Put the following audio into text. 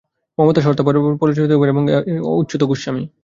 মমতা শর্মা পরিচালিত চলচ্চিত্রটিতে অভিনয় করেন এহসানুল হক মিলন এবং অচ্যুত গোস্বামী।